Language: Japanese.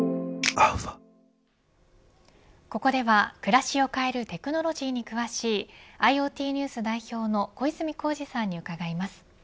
ここでは暮らしを変えるテクノロジーに詳しいＩｏＴＮＥＷＳ代表の小泉耕二さんに伺います。